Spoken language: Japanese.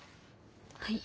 はい。